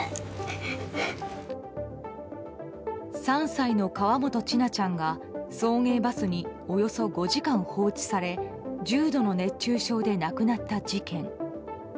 ３歳の河本千奈ちゃんが送迎バスにおよそ５時間放置され重度の熱中症で亡くなった事件。